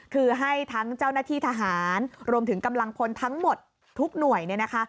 คือให้ทั้งเจ้าหน้าที่ทหารรวมถึงกำลังพลทั้งหมดทุกหน่วยเนี่ยนะคะ